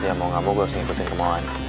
ya mau gak mau gue harus ngikutin kemauan